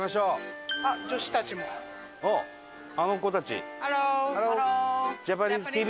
あっあの子たち。